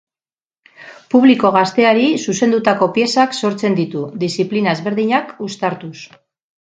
Publiko gazteari zuzendutako piezak sortzen ditu, diziplina ezberdinak uztartuz.